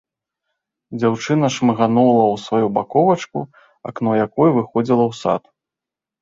Дзяўчына шмыганула ў сваю баковачку, акно якой выходзіла ў сад.